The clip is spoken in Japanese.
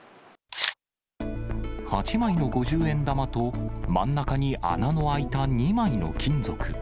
８枚の五十円玉と真ん中に穴の開いた２枚の金属。